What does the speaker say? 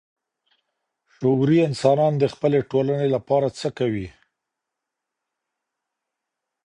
شعوري انسانان د خپلي ټولني لپاره څه کوي؟